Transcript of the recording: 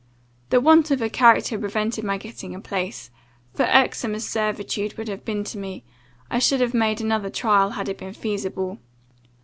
The want of a character prevented my getting a place; for, irksome as servitude would have been to me, I should have made another trial, had it been feasible.